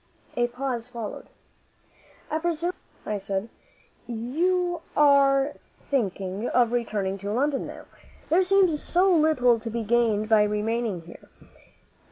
A pause followed. "I presume," I said, "you are thinking of returning to London now, there seems so little to be gained by remaining here.